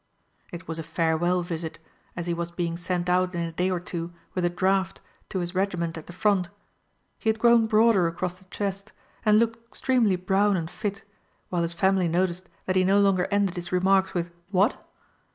It was a farewell visit, as he was being sent out in a day or two with a draft to his regiment at the Front. He had grown broader across the chest, and looked extremely brown and fit, while his family noticed that he no longer ended his remarks with "what?"